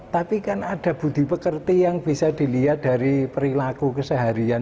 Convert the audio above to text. tapi kan ada budi pekerti yang bisa dilihat dari perilaku keseharian